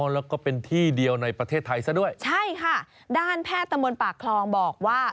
แล้วก็เป็นที่เดียวในประเทศไทยซะด้วยใช่ค่ะด้านแพทย์ตะมนต์ปากคลองบอกว่า